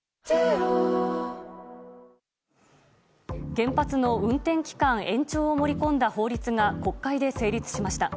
原発の運転期間延長を盛り込んだ法律が国会で成立しました。